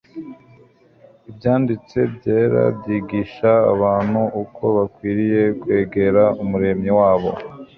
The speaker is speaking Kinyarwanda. ibyanditse byera byigisha abantu uko bakwiriye kwegera umuremyi wabo